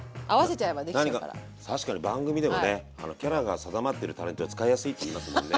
何か確かに番組でもねキャラが定まってるタレントは使いやすいって言いますもんね。